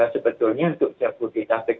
sebetulnya untuk jabodetabek